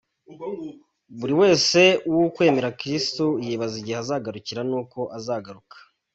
Buri wese w’ukwemera Kristu yibaza igihe azagarukira n’uko azagaruka.